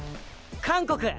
韓国！